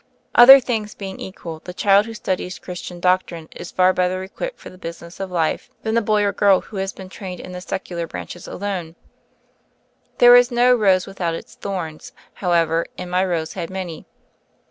Other things being equal, the child who studies Christian Doctrine is far better equipped for the business of life than the boy 94 THE FAIRY OF THE SNOWS or girl who has been trained in the secular branches alone. There is no rose without its thorns, how ever, and my rose had many.